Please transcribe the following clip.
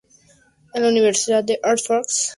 En la Universidad de Oxford, eran miembros de St.